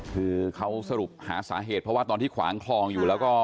คือเขาสรุปหาสาเหตุเพราะว่าตอนที่ขวางคลองอยู่แล้วก็